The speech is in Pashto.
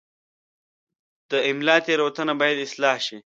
د املا تېروتنه باید اصلاح شي.